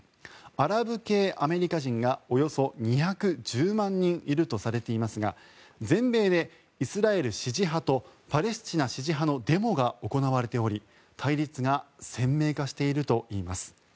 アラブ系アメリカ人がおよそ２１０万人いるとされていますが全米でイスラエル支持派とパレスチナ支持派のデモが行われており、対立が鮮明化しているといいます。